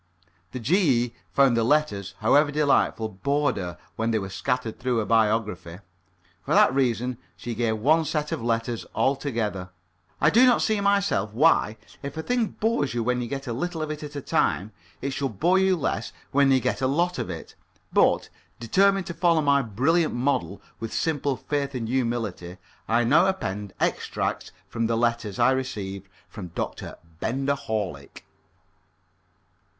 The G.E. found that letters, however delightful, bored her when they were scattered through a biography. For that reason she gave one set of letters all together. I do not see myself why, if a thing bores you when you get a little of it at a time, it should bore you less when you get a lot of it. But, determined to follow my brilliant model with simple faith and humility, I now append extracts from the letters I received from Dr. Benger Horlick.